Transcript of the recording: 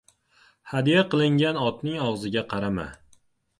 • Hadya qilingan otning og‘ziga qarama.